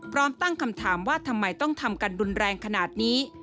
พร้อมตั้งคำถามว่าทำไมต้องทำกันรุนแรงขนาดนี้